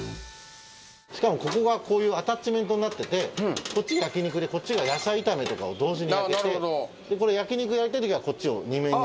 しかもここがこういうアタッチメントになっててこっち焼き肉でこっちが野菜炒めとかを同時に焼けてこれ焼き肉焼いてるときはこっちを２面に。